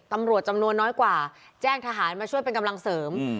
ตำรวจจำนวนน้อยกว่าแจ้งทหารมาช่วยเป็นกำลังเสริม